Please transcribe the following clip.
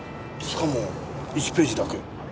しかも１ページだけ。